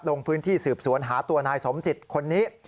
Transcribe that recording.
ลงพื้นที่สืบสวนหาตัวนายสมจิตคนนี้